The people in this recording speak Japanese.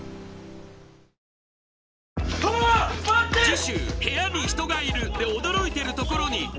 次週「部屋に人がいる」で驚いてるところに